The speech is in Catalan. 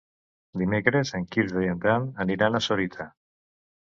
Dimecres en Quirze i en Dan aniran a Sorita.